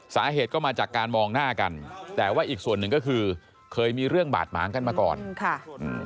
สาเหตุก็มาจากการมองหน้ากันแต่ว่าอีกส่วนหนึ่งก็คือเคยมีเรื่องบาดหมางกันมาก่อนค่ะอืม